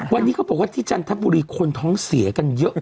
วันนี้เขาบอกว่าที่จันทบุรีคนท้องเสียกันเยอะเลย